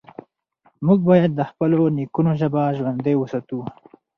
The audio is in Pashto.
موږ بايد د خپلو نيکونو ژبه ژوندۍ وساتو.